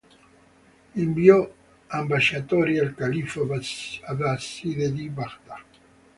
Inviò ambasciatori al Califfo abbaside di Baghdad.